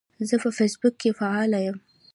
زه په فیسبوک کې فعال یم.